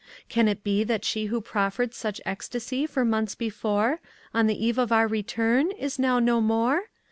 "Can it be that she who proffered such ecstacy for months before, on the eve of our return, is now no more?